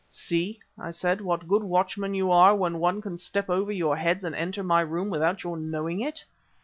"See," I said, "what good watchmen you are when one can step over your heads and enter my room without your knowing it!"